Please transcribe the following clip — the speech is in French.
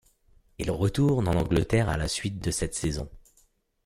Il retourne en Angleterre à la suite de cette saison.